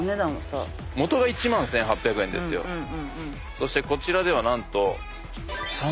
そしてこちらでは何と。